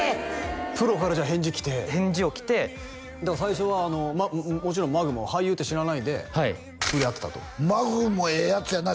プロからじゃあ返事来て返事来てだから最初はもちろんマグも俳優って知らないでとりあってたとマグもええヤツやな